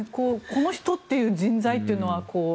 この人という人材というのは。